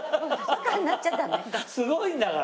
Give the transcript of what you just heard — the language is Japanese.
すごいんだから。